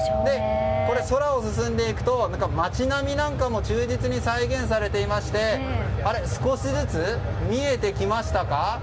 空をすすんでいくと街並みなんかも忠実に再現されていて少しずつ見えてきましたか？